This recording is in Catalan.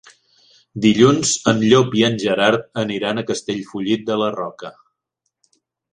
Dilluns en Llop i en Gerard aniran a Castellfollit de la Roca.